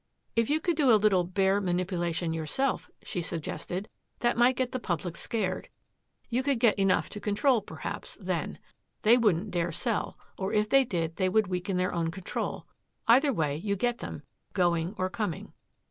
"If you could do a little bear manipulation yourself," she suggested. "That might get the public scared. You could get enough to control, perhaps, then. They wouldn't dare sell or if they did they would weaken their own control. Either way, you get them, going or coming."